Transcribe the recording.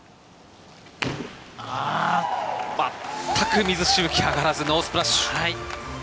まったく水しぶきが上がらずノースプラッシュ。